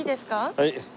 はい。